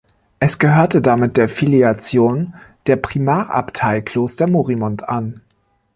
Es gehörte damit der Filiation der Primarabtei Kloster Morimond an.